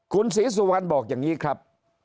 คุณศรีสุวรรณบอกอย่างนี้ครับ